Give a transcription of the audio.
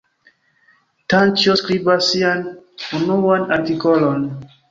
Tinĉjo skribas sian unuan artikolon.